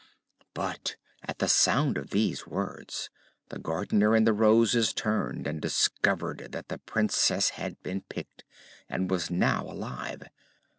But at the sound of these words the Gardener and the Roses turned and discovered that the Princess had been picked, and was now alive.